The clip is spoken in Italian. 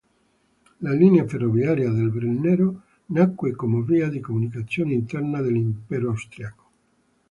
La linea ferroviaria del Brennero nacque come via di comunicazione interna dell'Impero austriaco.